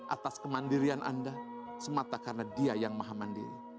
atas kemandirian anda semata karena dia yang maha mandiri